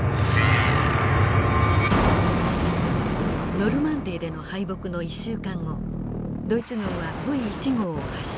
ノルマンディーでの敗北の１週間後ドイツ軍はＶ１号を発射。